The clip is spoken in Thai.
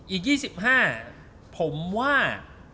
อีก๒๕ผมว่า